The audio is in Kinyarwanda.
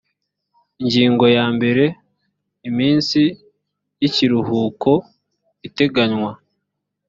ingingo ya mbere iminsi y ikiruhuko iteganywa